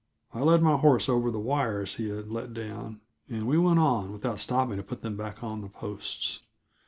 I led my horse over the wires he had let down, and we went on without stopping to put them back on the posts.